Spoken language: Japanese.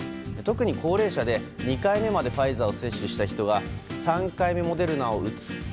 特に、高齢者で２回目までファイザーを接種した人が３回目モデルナを打つ